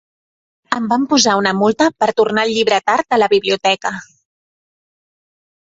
Em van posar una multa per tornar el llibre tard a la biblioteca.